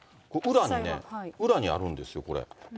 裏にね、裏にあるんですよ、これ。